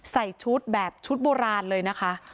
ใส่ชุดแบบชุดโบราณเลยนะคะ